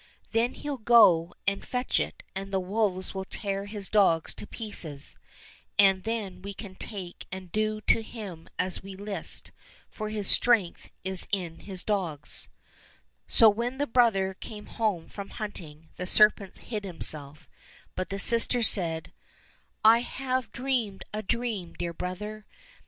Then he'll go and fetch it, and the wolves will tear his dogs to pieces, and then we can take and do to him as we list, for his strength is in his dogs." So when the brother came home from hunting the serpent hid himself, but the sister said, " I have 66 LITTLE TSAR NOVISHNY dreamed a dream, dear brother.